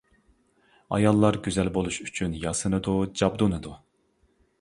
ئاياللار گۈزەل بولۇش ئۈچۈن ياسىنىدۇ، جابدۇنىدۇ.